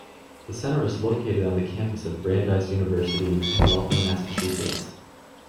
The Center is located on the campus of Brandeis University in Waltham, Massachusetts.